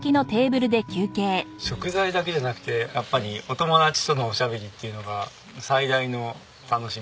食材だけじゃなくてやっぱりお友達とのおしゃべりっていうのが最大の楽しみで。